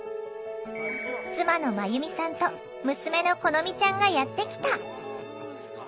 妻の真弓さんと娘の好美ちゃんがやって来た！